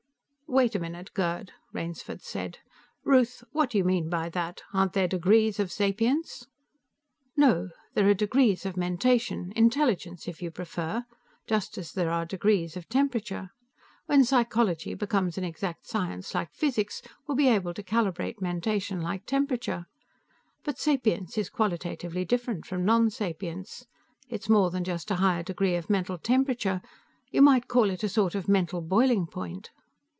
"Wait a minute, Gerd," Rainsford said. "Ruth, what do you mean by that? Aren't there degrees of sapience?" "No. There are degrees of mentation intelligence, if you prefer just as there are degrees of temperature. When psychology becomes an exact science like physics, we'll be able to calibrate mentation like temperature. But sapience is qualitatively different from nonsapience. It's more than just a higher degree of mental temperature. You might call it a sort of mental boiling point."